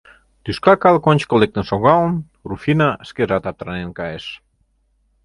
Тӱшка калык ончыко лектын шогалын, Руфина шкежат аптранен кайыш.